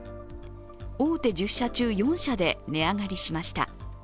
大手１０社中４社で値上がりしました。